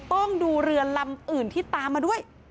ต้องดูเรือลำอื่นที่ตามมาด้วย